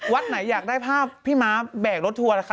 วัดไหนอยากได้ภาพพี่ม้าแบกรถทัวร์ล่ะคะ